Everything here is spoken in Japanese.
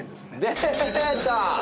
出た！